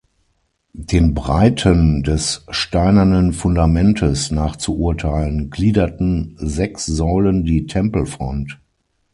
Den Breiten des steinernen Fundamentes nach zu urteilen, gliederten sechs Säulen die Tempelfront.